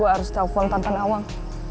gue harus telfon tante nawang